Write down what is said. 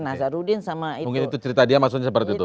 nazarudin sama itu